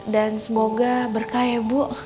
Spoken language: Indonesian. dan semoga berkah ya bu